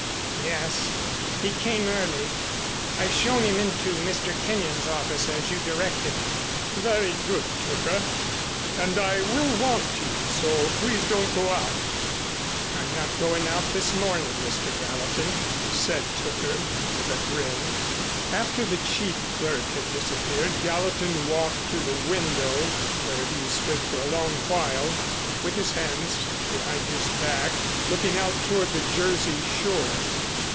"Yes. He came early. I've shown him into Mr. Kenyon's office as you directed." "Very good, Tooker. And I will want you, so please don't go out." "I'm not going out this morning, Mr. Gallatin," said Tooker, with a grin. After the chief clerk had disappeared Gallatin walked to the window where he stood for a long while with his hands behind his back, looking out toward the Jersey shore.